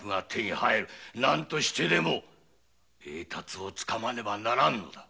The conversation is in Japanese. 何としてでも栄達をつかまねばならん。